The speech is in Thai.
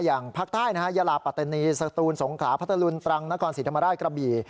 อย่างภาคใต้นะฮะยาลาปัตตานีสตูนสงขลาพัทธรุงตรังนครศรีธรรมราชกระบี่